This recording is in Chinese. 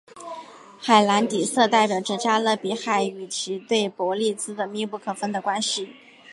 海蓝底色代表着加勒比海与其对伯利兹的密不可分的关系。